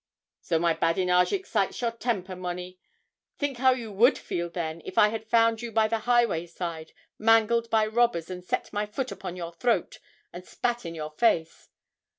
'So my badinage excites your temper, Monnie. Think how you would feel, then, if I had found you by the highway side, mangled by robbers, and set my foot upon your throat, and spat in your face.